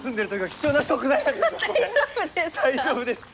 大丈夫ですか？